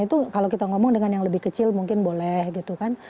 itu kalau kita ngomong dengan yang lebih kecil mungkin boleh gitu kan